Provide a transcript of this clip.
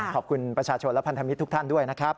ขอบคุณประชาชนและพันธมิตรทุกท่านด้วยนะครับ